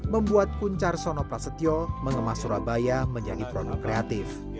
membuat kunchar sonoprasetyo mengemas surabaya menjadi produk kreatif